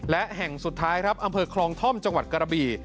และแห่งสุดท้ายครับอำเภอคลองท่อมจังหวัดกระบี่